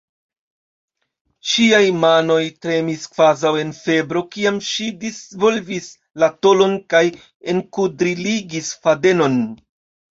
Ŝiaj manoj tremis kvazaŭ en febro, kiam ŝi disvolvis la tolon kaj enkudriligis fadenon.